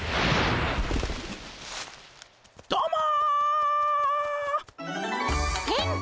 どうも。